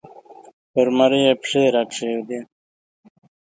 پر مرۍ یې پښې را کېښودې